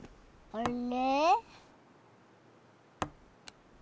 あれ？